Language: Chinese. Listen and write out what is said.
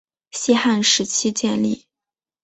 西汉时期建立。